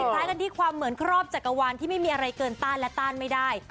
มาคิดความเหมือนครอบจักรวันที่ไม่มีอะไรเกินต้านแล้วต้านไม่ได้